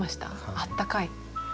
あったかい。